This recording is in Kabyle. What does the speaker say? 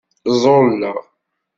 Ẓẓulleɣ.